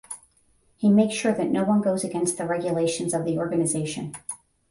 He makes sure that no one goes against the regulations of the organisation.